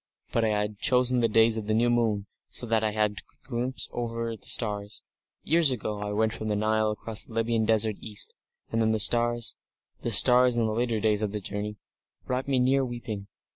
But I had chosen the days of the new moon, so that I could have a glimpse of the stars.... Years ago, I went from the Nile across the Libyan Desert east, and then the stars the stars in the later days of that journey brought me near weeping....